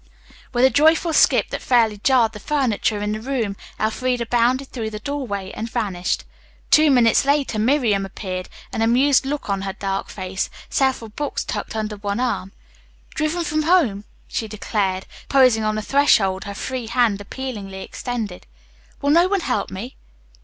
With a joyful skip that fairly jarred the furniture in the room Elfreda bounded through the doorway and vanished. Two minutes later Miriam appeared, an amused look on her dark face, several books tucked under one arm. "Driven from home," she declaimed, posing on the threshold, her free hand appealingly extended. "Will no one help me?"